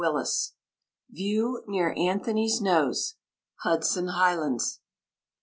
VIEW NEAR ANTHONY'S NOSE, HUDSON HIGHLANDS.